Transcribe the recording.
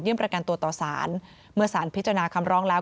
ประกันตัวต่อสารเมื่อสารพิจารณาคำร้องแล้ว